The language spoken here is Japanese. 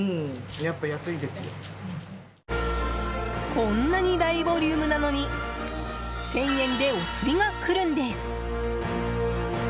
こんなに大ボリュームなのに１０００円でお釣りが来るんです。